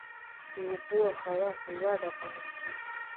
د اوبو او هوا هیواد افغانستان.